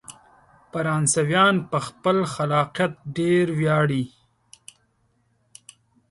فرانسویان په خپل خلاقیت ډیر ویاړي.